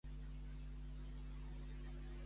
Com fa servir Mickey la resta d'animals?